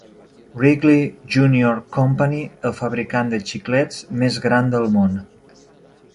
Wrigley Junior Company, el fabricant de xiclets més gran del món.